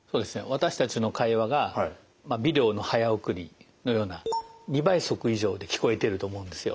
私たちの会話がビデオの早送りのような２倍速以上で聞こえてると思うんですよ。